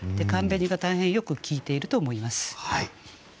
「寒紅」が大変よく効いていると思います。